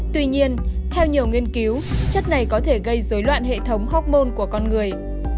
tuy nhiên theo nhiều nghiên cứu chất này có thể gây rối loạn hệ thống hormone của con người